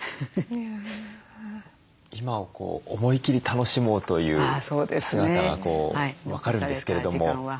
今を思いきり楽しもうという姿が分かるんですけれども。